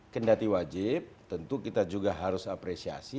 kendati wajib tentu kita juga harus apresiasi